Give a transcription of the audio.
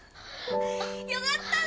よかったね！